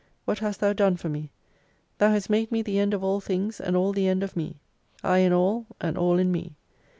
What hast Thou done for me ? Thou hast made me the end of all things, and all the end of me. I in all, and all in me.